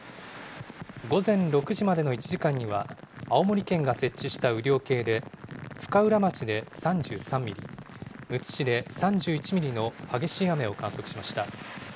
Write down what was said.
午前６時までの１時間には、青森県が設置した雨量計で、深浦町で３３ミリ、むつ市で３１ミリの激しい雨を観測しました。